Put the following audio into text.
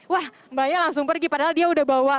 wah mbaknya langsung pergi padahal dia sudah bawa